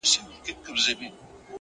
o دا ناځوانه نور له كاره دى لوېــدلى؛